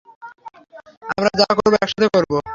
আমরা যা করব, একসাথে করব!